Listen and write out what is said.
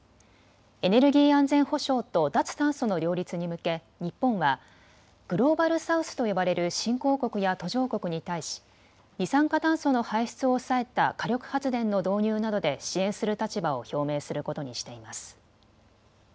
エネルギー安全保障と脱炭素の両立に向け日本はグローバル・サウスと呼ばれる新興国や途上国に対し二酸化炭素の排出を抑えた火力発電の導入などで支援する立場を表明することにしています。